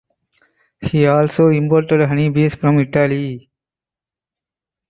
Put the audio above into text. He also imported honey bees from Italy.